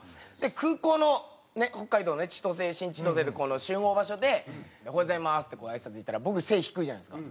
空港のね北海道の新千歳で集合場所で「おはようございます」ってあいさつ行ったら僕背低いじゃないですか。